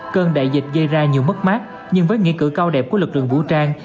cơn đại dịch dây ra nhiều mất mát nhưng với nghị cử cao đẹp của lực lượng vũ trang